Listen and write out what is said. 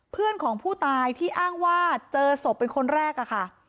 เพื่อนของผู้ตายที่อ้างว่าเจอศพเป็นคนแรกอะค่ะ